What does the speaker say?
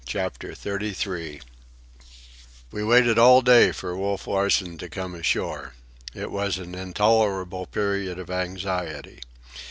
CHAPTER XXXIII We waited all day for Wolf Larsen to come ashore. It was an intolerable period of anxiety.